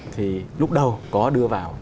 thì lúc đầu có đưa vào